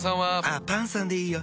あっパンさんでいいよ。